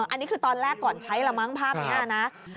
อันนี้คือตอนแรกก่อนใช้แล้วภาพนี้หน้านะ